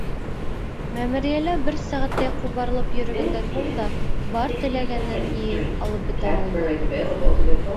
Мәмерйәлә бер сәғәттәй ҡубарылып йөрөгәндән һуң да, бар теләгәнен йыйып алып бөтә алмай.